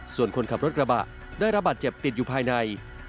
ส่วนคนขับรถกระบะได้ระบาดเจ็บติดอยู่ภายใน